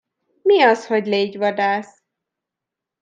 Mi az, hogy légyvadász?